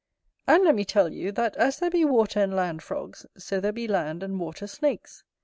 And let me tell you, that as there be water and land frogs, so there be land and water snakes.